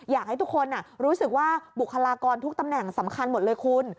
อยากให้ทุกคนรู้สึกว่าบุคลากรทุกตำแหน่งสำคัญหมดเลยคุณ